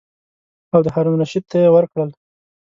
او د هارون الرشید ته یې ورکړل.